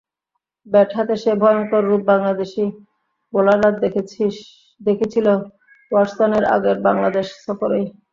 Bat হাতে সেই ভয়ংকর রূপ বাংলাদেশি বোলাররা দেখেছিল ওয়াটসনের আগের বাংলাদেশ সফরেই।